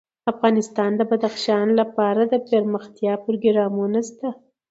افغانستان کې د بدخشان لپاره دپرمختیا پروګرامونه شته.